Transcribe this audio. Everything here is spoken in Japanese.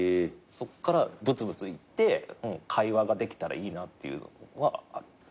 そっからぶつぶつ言って会話ができたらいいなっていうのはある。